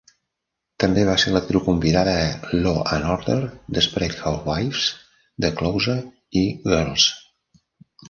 També va ser l'actriu convidada a "Law and Order", "Desperate Housewives", "The Closer" i "Girls".